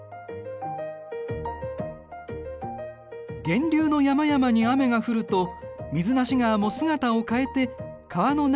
源流の山々に雨が降ると水無川も姿を変えて川の流れが現れる。